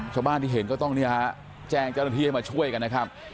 ชาวบ้านที่เห็นก็ต้องเนี่ยฮะแจ้งเจ้าหน้าที่ให้มาช่วยกันนะครับ